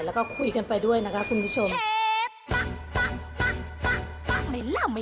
แล้วก็คุยกันไปด้วยนะคะคุณผู้ชม